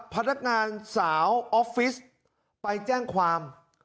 พนักงานสาวออฟฟิศไปแจ้งความ